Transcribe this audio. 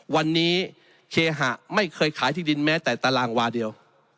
วันนี้เคหะไม่เคยขายที่ดินแม้แต่ตารางวาเดียว